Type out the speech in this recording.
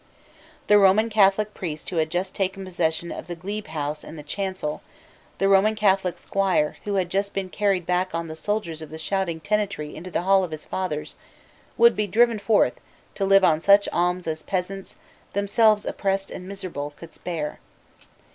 The Roman Catholic priest who had just taken possession of the glebe house and the chancel, the Roman Catholic squire who had just been carried back on the shoulders of the shouting tenantry into the hall of his fathers, would be driven forth to live on such alms as peasants, themselves oppressed and miserable, could spare.